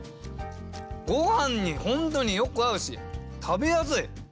ごはんに本当によく合うし食べやすい！